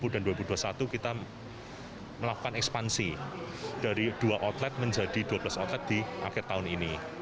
dua puluh dan dua ribu dua puluh satu kita melakukan ekspansi dari dua outlet menjadi dua belas outlet di akhir tahun ini